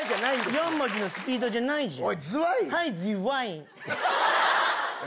４文字のスピードじゃないじゃん。